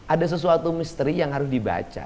ada sesuatu misteri yang harus dibaca